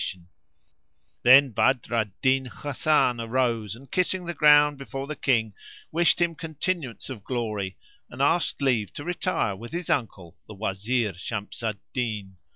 [FN#492] Then Badr al Din Hasan arose and, kissing the ground before the King, wished him continuance of glory and asked leave to retire with his uncle, the Wazir Shams al Din.